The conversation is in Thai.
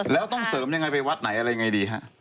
แล้วต้องเสริมยังไงไปวัดไหนอะไรยังไงดีฮะ